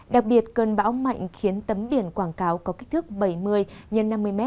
đặc biệt cơn bão mạnh khiến tấm biển quảng cáo có kích thước bảy mươi x năm mươi m